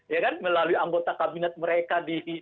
ya kan melalui anggota kabinet mereka di